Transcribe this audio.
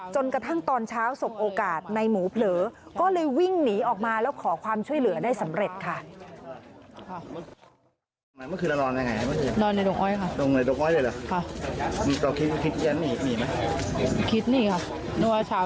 จนกระทั่งตอนเช้าสบโอกาสในหมูเผลอก็เลยวิ่งหนีออกมาแล้วขอความช่วยเหลือได้สำเร็จค่ะ